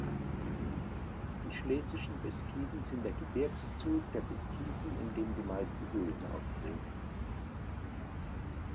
Die Schlesischen Beskiden sind der Gebirgszug der Beskiden, in dem die meisten Höhlen auftreten.